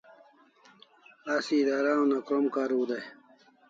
Asi idara una krom kariu dai